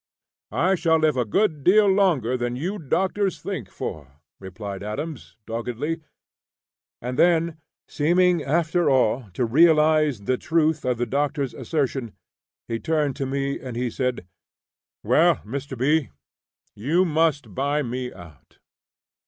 "I shall live a good deal longer than you doctors think for," replied Adams, doggedly; and then, seeming after all to realize the truth of the Doctor's assertion, he turned to me and said: "Well, Mr. B., you must buy me out."